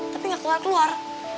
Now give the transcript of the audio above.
tapi ga keluar keluar